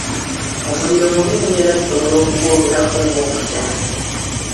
Omuliro mubi nnyo era tusobola okugwogerako ng'omutemu.